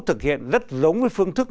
thực hiện rất giống với phương thức